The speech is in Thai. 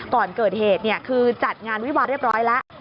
ก่อนเกิดเหตุคือจัดงานวิวาเรียบร้อยแล้ว